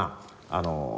あの。